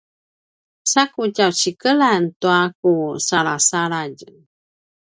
sa ku tjaucikelan tua ku salasaladj